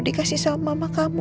dikasih sama mama kamu